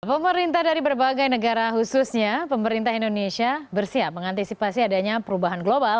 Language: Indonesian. pemerintah dari berbagai negara khususnya pemerintah indonesia bersiap mengantisipasi adanya perubahan global